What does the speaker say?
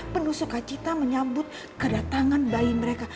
penuh sukacita menyambut kedatangan bayi mereka